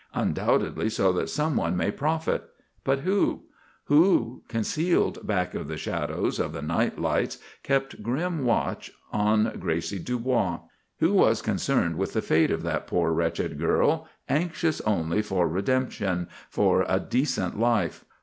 Undoubtedly so that someone may profit. But who? Who, concealed back of the shadows of the night lights, kept grim watch on 'Gracie Dubois'? Who was concerned with the fate of that poor wretched girl anxious only for redemption, for a decent life?